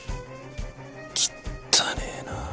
きったねえなぁ。